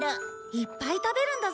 いっぱい食べるんだぞ。